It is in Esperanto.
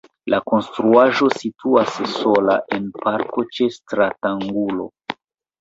La konstruaĵo situas sola en parko ĉe stratangulo.